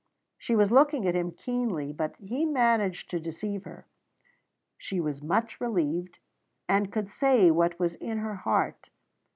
She was looking at him keenly, but he managed to deceive her. She was much relieved, and could say what was in her heart.